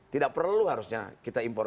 tidak perlu harusnya kita impor